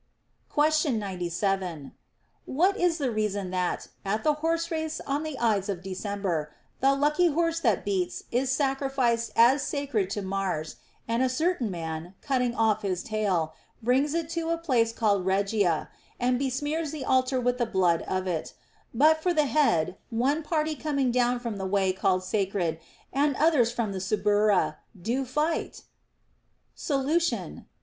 Question 97. What is the reason that, at the horse race on the Ides of December, the lucky horse that beats is sacrificed as sacred to Mars ; and a certain man, cutting off his tail, brings it to a place called Regia, and besmears the altar with the blood of it ; but for the head, one party coming down from the way called Sacred, and others from the Suburra, do fight \ Solution.